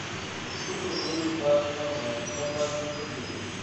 Por favor use barras normais, não barras invertidas.